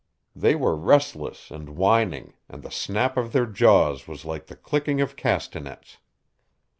They were restless and whining, and the snap of their jaws was like the clicking of castanets.